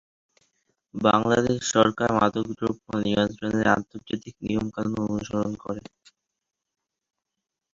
বাংলাদেশ সরকার মাদকদ্রব্য নিয়ন্ত্রণের আন্তর্জাতিক নিয়মকানুন অনুসরণ করে।